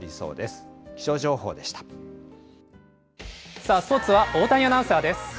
さあ、スポーツは大谷アナウンサーです。